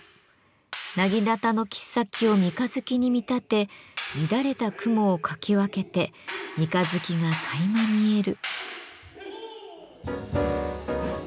薙刀の切っ先を三日月に見立て乱れた雲をかき分けて三日月がかいま見える。